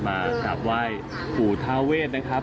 มากับว่ายปู่ทาเวชนะครับ